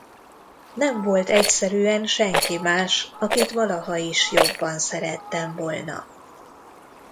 Nem volt egyszerűen senki más, akit valaha is jobban szerettem volna.